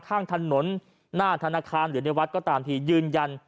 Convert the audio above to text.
ข้างถนนหน้าธนาคารหรือในวัดก็ตามทียืนยัน